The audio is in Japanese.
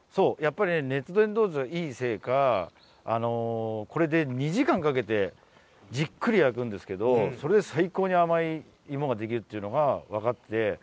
熱伝導率がいいせいかこれで２時間かけてじっくり焼くんですけれどそれで最高に甘い芋ができるというのが分かって